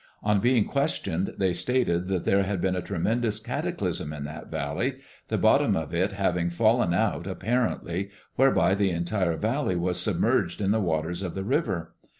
On being questioned they stated that there had been a tremendous cataclysm in that valley, the bottom of it having fallen out apparently, whereby the entire valley was submerged in the waters of the river.